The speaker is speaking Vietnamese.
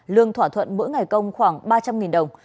lương thỏa thuận mỗi ngày công khoảng ba trăm linh đồng